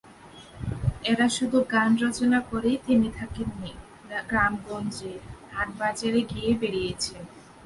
এঁরা শুধু গান রচনা করেই থেমে থাকেননি, গ্রামেগঞ্জে, হাটবাজারে গেয়ে বেড়িয়েছেন।